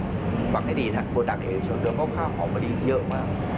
หวังให้ดีโปรดักต์ของเอกชนเราก็ข้าวออกมาได้อีกเยอะมาก